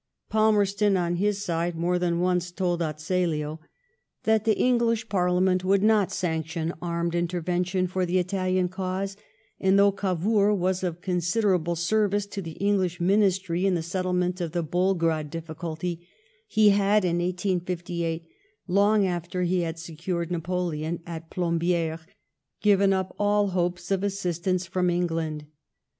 Palmerston, on his side, more than once told Azeglio that the English LORD PALMEESTON AND ITALT. 193 Parliament would not sanction armed intervention for the Italian cause ; and though Cavour was of consider able service to the English Ministry in the settlement of the Bolgrad difficulty, he had, in ISSS, long after he had secured Napoleon at Plombieres, given up all hopes of assistance from England.